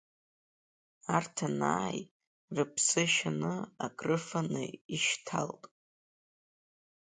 Арҭ анааи, рыԥсы шьаны акрыфаны ишьҭалт.